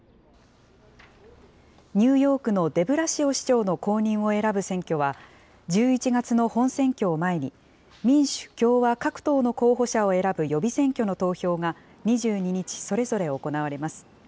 ニューヨークのデブラシオ市長の後任を選ぶ選挙は、１１月の本選挙を前に、民主、共和各党の候補者を選ぶ予備選挙の投票が、２２日、それぞれ行われます。